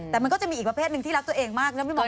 แต่มันก็จะมีอีกประเภทหนึ่งที่รักตัวเองมากนะพี่หมอ